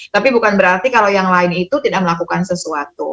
tapi bukan berarti kalau yang lain itu tidak melakukan sesuatu